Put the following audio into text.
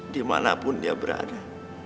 dimanapun dia berada